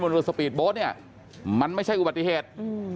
เรือสปีดโบ๊ทเนี่ยมันไม่ใช่อุบัติเหตุ